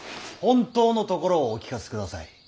本当のところをお聞かせください